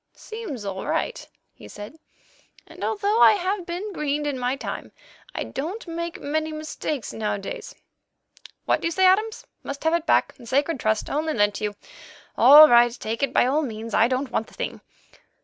"Seems all right," he said, "and although I have been greened in my time, I don't make many mistakes nowadays. What do you say, Adams? Must have it back? A sacred trust! Only lent to you! All right, take it by all means. I don't want the thing.